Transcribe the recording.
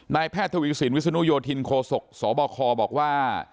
นายแพทย์ธวิสินวิสุนุยธินโคศกสบคบอกว่า